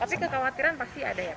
tapi kekhawatiran pasti ada ya